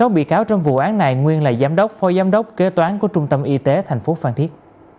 sáu bị cáo trong vụ án này nguyên là giám đốc phó giám đốc kế toán của trung tâm y tế tp phan thiết